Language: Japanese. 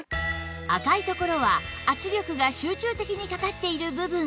赤いところは圧力が集中的にかかっている部分